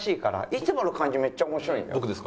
いつもの感じめっちゃ面白いんだよ。